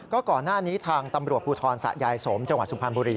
ก่อนหน้านี้ทางตำรวจภูทรสะยายสมจังหวัดสุพรรณบุรี